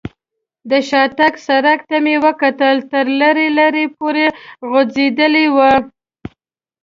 د شاتګ سړک ته مې وکتل، تر لرې لرې پورې غځېدلی و.